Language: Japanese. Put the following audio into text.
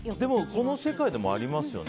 この世界でもありますよね。